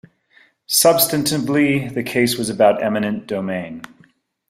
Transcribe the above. Substantively, the case was about eminent domain.